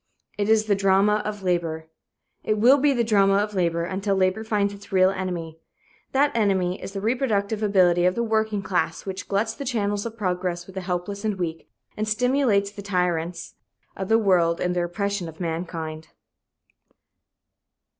It is the drama of labor. It will be the drama of labor until labor finds its real enemy. That enemy is the reproductive ability of the working class which gluts the channels of progress with the helpless and weak, and stimulates the tyrants of the world in their oppression of mankind.